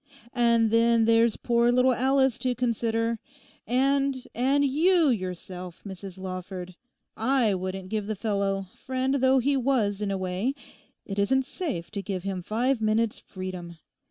And then there's poor little Alice to consider, and—and you yourself, Mrs. Lawford: I wouldn't give the fellow—friend though he was, in a way—it isn't safe to give him five minutes' freedom.